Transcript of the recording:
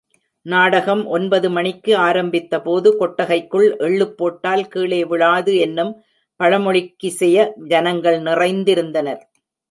நாடகம் ஒன்பது மணிக்கு ஆரம்பித்தபோது, கொட்டகைக்குள் எள்ளு போட்டால் கீழே விழாது என்னும் பழமொழிக் கிசைய, ஜனங்கள் நிறைந்திருந்தனர்.